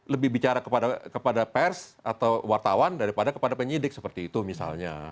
lebih bicara kepada pers atau wartawan daripada kepada penyidik seperti itu misalnya